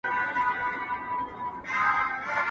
که به ډنډ ته د سېلۍ په زور رسېږم